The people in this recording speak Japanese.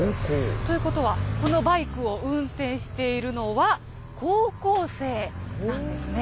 ということは、このバイクを運転しているのは、高校生なんですね。